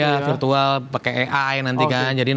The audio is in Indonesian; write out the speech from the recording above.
ya virtual pakai ai nanti kan